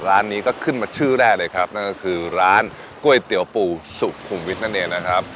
ร้านนี้ก็ขึ้นมาชื่อแรกเลยครับนั่นก็คือร้านก๋วยเตี๋ยวปูสุขุมวิทย์นั่นเองนะครับ